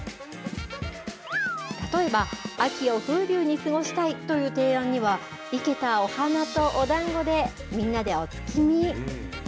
例えば、秋を風流に過ごしたいという提案には、生けたお花とおだんごで、みんなでお月見。